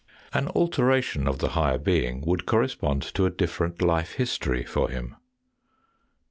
An alteration of the higher being would correspond to a different life history for him.